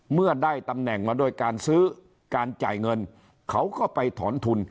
เมื่อได้ตำแหน่งมาด้วยการซื้อการจ่ายเงินเขาก็ไปถอนทุน